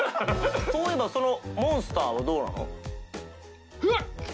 そういえばそのモンスターはどうなの？